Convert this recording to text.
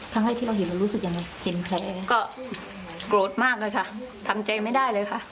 ทั้งให้ที่เราเห็นมันรู้สึกยังไงเห็นแพ้ก็โกรธมากเลยค่ะทำใจไม่ได้เลยค่ะ